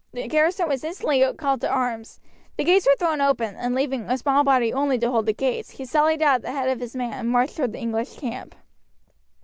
The garrison were instantly called to arms. The gates were thrown open, and leaving a small body only to hold the gates, he sallied out at the head of his men and marched toward the English camp.